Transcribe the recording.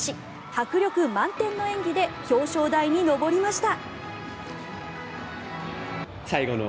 迫力満点の演技で表彰台に上りました。